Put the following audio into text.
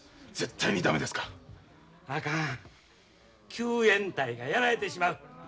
救援隊がやられてしまう。